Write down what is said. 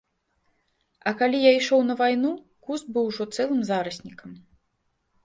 А калі я ішоў на вайну, куст быў ужо цэлым зараснікам.